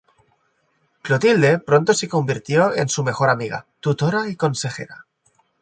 Clotilde pronto se convirtió en su mejor amiga, tutora y consejera.